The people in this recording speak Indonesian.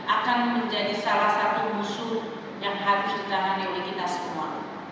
akan menjadi salah satu musuh yang harus ditangani oleh kita semua